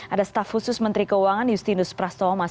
ada staf khusus menteri keuangan justinus prastomas